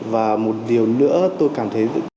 và một điều nữa tôi cảm thấy